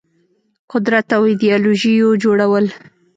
قدرت او ایدیالوژيو جوړول